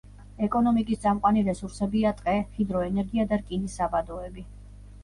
ეკონომიკის წამყვანი რესურსებია ტყე, ჰიდროენერგია და რკინის საბადოები.